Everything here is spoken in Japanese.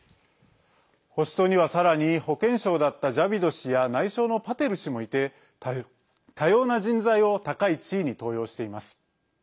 保守党には、さらに保健相だったジャビド氏や内相のパテル氏もいて多様な人材を高い地位に登用しています。